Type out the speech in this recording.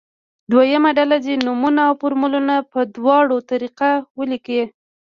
دویمه ډله دې نومونه او فورمولونه په دواړو طریقه ولیکي.